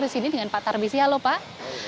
di sini dengan pak tarbisi halo pak